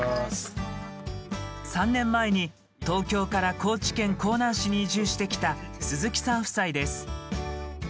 ３年前に東京から高知県香南市に移住してきた鈴木さん夫妻です。